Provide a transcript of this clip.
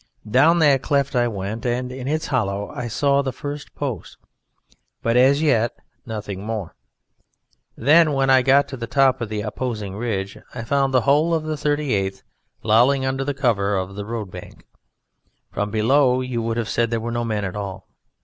Down that cleft I went, and in its hollow I saw the first post, but as yet nothing more. Then when I got to the top of the opposing ridge I found the whole of the 38th lolling under the cover of the road bank. From below you would have said there were no men at all.